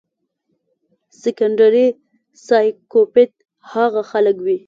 سيکنډري سائکوپېت هاغه خلک وي